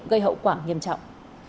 gây hậu quả nghiêm trọng